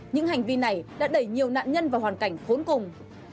những hành vi này đã đẩy nhiều nạn nhân vào hoàn cảnh khốn cùng